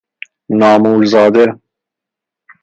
نامور زاده